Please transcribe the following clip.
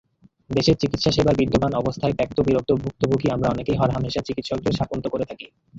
দেশের চিকিৎসাসেবার বিদ্যমান অবস্থায় ত্যক্ত-বিরক্ত ভুক্তভোগী আমরা অনেকেই হরহামেশা চিকিৎসকদের শাপান্ত করে থাকি।